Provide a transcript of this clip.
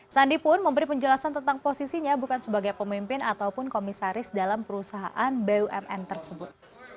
sandi pun memberi penjelasan tentang posisinya bukan sebagai pemimpin ataupun komisaris dalam perusahaan bumn tersebut